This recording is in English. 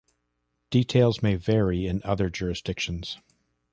Details may vary in other jurisdictions.